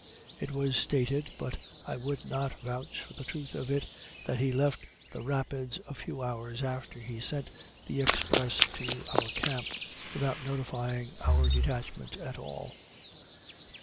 It was stated, but I would not vouch for the truth of it, that he left the Rapids a few hours after he sent the express to our camp, without notifying our detachment at all.